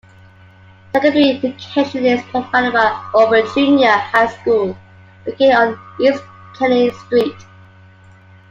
Secondary education is provided by Auburn Junior High School, located on East Kenney Street.